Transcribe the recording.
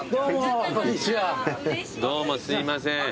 どうもすいません。